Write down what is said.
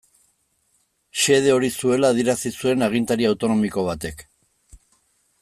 Xede hori zuela adierazi zuen agintari autonomiko batek.